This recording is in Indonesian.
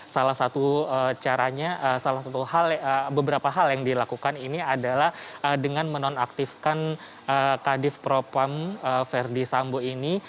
salah satu caranya beberapa hal yang dilakukan ini adalah dengan menonaktifkan kadif propam verdi sambo ini